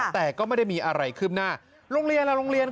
แต่ก็ไม่ได้มีอะไรขึ้นหน้าโรงเรียนล่ะโรงเรียน